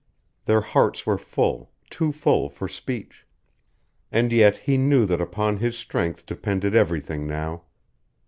Their hearts were full, too full for speech. And yet he knew that upon his strength depended everything now.